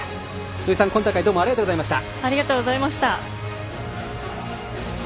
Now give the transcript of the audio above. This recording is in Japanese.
土居さん、今大会どうもありがとうございました。